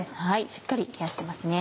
しっかり冷やしてますね。